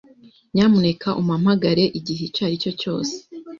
Nyamuneka umpamagare igihe icyo ari cyo cyose.